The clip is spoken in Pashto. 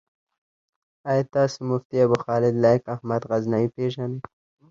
آيا تاسو مفتي ابوخالد لائق احمد غزنوي پيژنئ؟